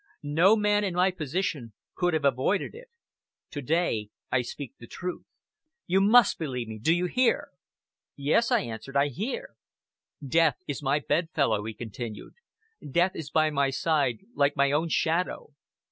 No man in my position could have avoided it. To day, I speak the truth. You must believe me! Do you hear?" "Yes!" I answered, "I hear!" "Death is my bedfellow," he continued. "Death is by my side like my own shadow.